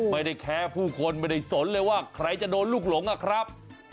ไม่ได้แค้ผู้คนไม่ได้สนเลยว่าใครจะโดนลูกหลงอะครับ